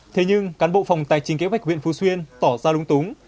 thế nhưng cán bộ phòng tài chính kế hoạch huyện phú xuyên tỏ ra lúng túng